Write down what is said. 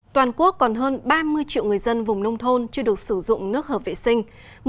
toàn quốc còn hơn ba mươi triệu người dân vùng nông thôn chưa được sử dụng nước hợp vệ sinh